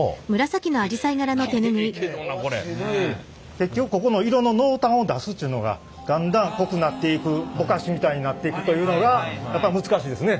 結局ここの色の濃淡を出すっちゅうのがだんだん濃くなっていくぼかしみたいになっていくというのがやっぱ難しいですね。